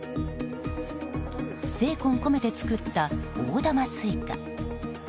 精魂込めて作った大玉スイカ。